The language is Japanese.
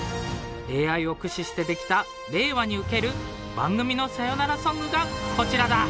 ＡＩを駆使してできた令和に受ける番組のさよならソングがこちらだ！